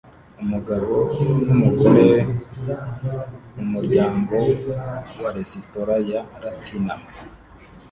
Umugabo numugore mumuryango wa resitora ya Latina